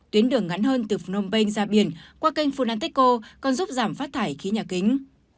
tuyến đường ngắn hơn từ phnom penh ra biển qua kênh funanteco còn giúp giảm phát thải khí nhà kính